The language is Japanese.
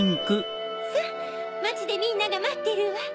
さぁまちでみんながまってるわ。